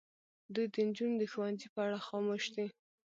دوی د نجونو د ښوونځي په اړه خاموش دي.